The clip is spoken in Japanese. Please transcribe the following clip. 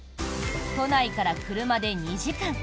都内から車で２時間。